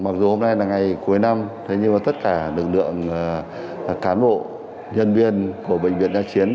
mặc dù hôm nay là ngày cuối năm nhưng tất cả lực lượng cán bộ nhân viên của bệnh viện giã chiến